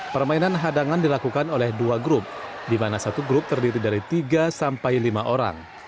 permainan hadangan dilakukan oleh dua grup di mana satu grup terdiri dari tiga sampai lima orang